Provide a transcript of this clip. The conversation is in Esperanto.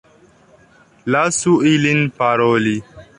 Lasu ilin paroli.